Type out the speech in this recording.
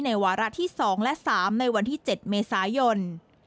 วาระที่๒และ๓ในวันที่๗เมษายน